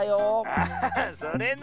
あそれな！